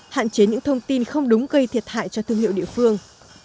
hạn chế những thông tin không đúng gây thiệt hại cho thương hiệu địa phương